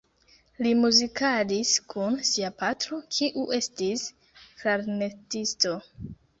Li muzikadis kun sia patro, kiu estis klarnetisto.